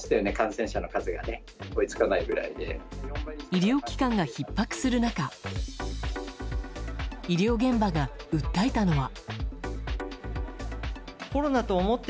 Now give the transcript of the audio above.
医療機関がひっ迫する中医療現場が訴えたのは。